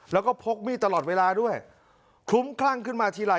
แล้วก็พกมีดตลอดเวลาด้วยคลุ้มคลั่งขึ้นมาทีไร